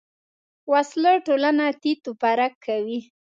وسله ټولنه تیت و پرک کوي